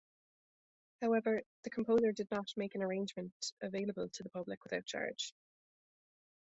However, the composer did not make an arrangement available to the public without charge.